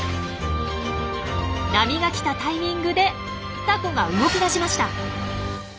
波が来たタイミングでタコが動き出しました。